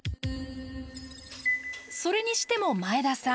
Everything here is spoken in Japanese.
それにしても前田さん